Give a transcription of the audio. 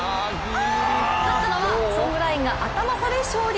勝ったのはソングラインが頭差で勝利。